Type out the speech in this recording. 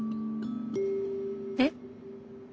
えっ？